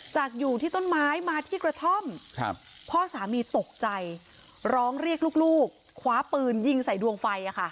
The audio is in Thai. จากอยู่ที่ต้นไม้มาที่กระท่อมพ่อสามีตกใจร้องเรียกลูกคว้าปืนยิงใส่ดวงไฟ